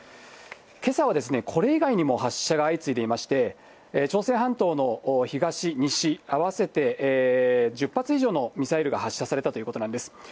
けさはこれ以外にも発射が相次いでいまして、朝鮮半島の東、西、合わせて１０発以上のミサイルが発射されたということなんです。